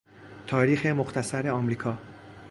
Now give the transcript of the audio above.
تاریخ مختصر امریکا